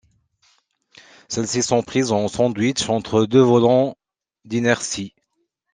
Celles-ci sont prises en sandwich entre deux volants d'inertie.